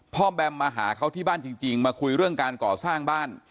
แบมมาหาเขาที่บ้านจริงมาคุยเรื่องการก่อสร้างบ้าน